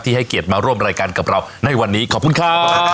ให้เกียรติมาร่วมรายการกับเราในวันนี้ขอบคุณครับ